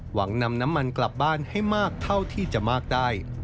นำน้ำมันกลับบ้านให้มากเท่าที่จะมากได้